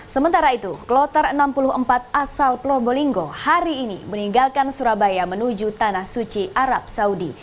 sementara itu kloter enam puluh empat asal probolinggo hari ini meninggalkan surabaya menuju tanah suci arab saudi